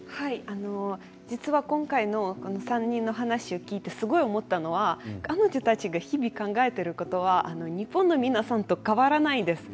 実は今回の３人の話を聞いてすごい思ったのは彼女たちが日々考えていることは日本の皆さんと変わらないです。